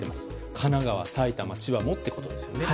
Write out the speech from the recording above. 神奈川、埼玉、千葉もということですね。